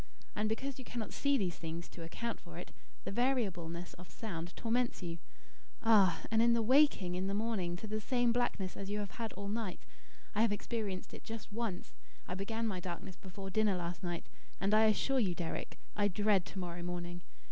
And, because you cannot see these things to account for it, the variableness of sound torments you. Ah! and the waking in the morning to the same blackness as you have had all night! I have experienced it just once, I began my darkness before dinner last night, and I assure you, Deryck, I dread to morrow morning.